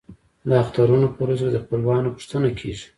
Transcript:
د اخترونو په ورځو کې د خپلوانو پوښتنه کیږي.